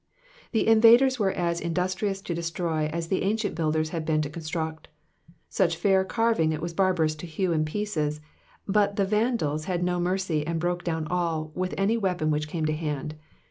''^ The invaders were as industrious to destroy as the ancient builders had been to construct. Such fair carving it was barbarous to hew in pieces, but the Vandals had no mercy and broke down all, with any weapon which came to hand.